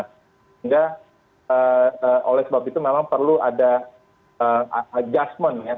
sehingga oleh sebab itu memang perlu ada adjustment ya